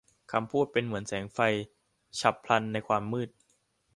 คำพูดเป็นเหมือนแสงไฟฉับพลันในความมืด